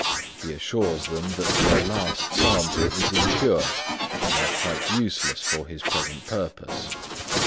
He assures them that their last sample is impure and quite useless for his present purpose.